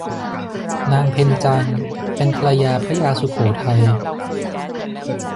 นางเพ็ญจันทร์เป็นภรรยาพระยาสุโขทัย